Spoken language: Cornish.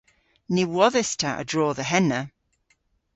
Ny wodhes ta a-dro dhe henna.